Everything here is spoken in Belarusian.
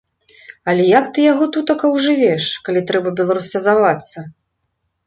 Але як ты яго тутака ўжывеш, калі трэба беларусізавацца.